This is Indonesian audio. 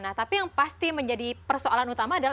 nah tapi yang pasti menjadi persoalan utama adalah